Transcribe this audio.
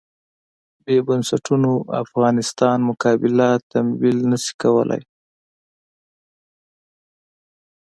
بې بنسټونو افغانستان مقابله تمویل نه شي کولای.